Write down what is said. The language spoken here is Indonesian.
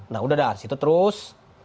nah udah dari situ terus